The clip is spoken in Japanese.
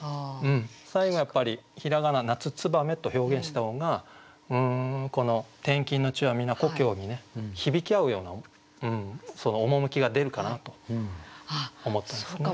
最後やっぱり平仮名「夏つばめ」と表現した方がこの「転勤の地はみな故郷」にね響き合うような趣が出るかなと思ったんですね。